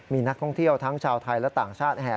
มีนักท่องเที่ยวทั้งชาวไทยและต่างชาติแห่